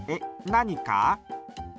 何か？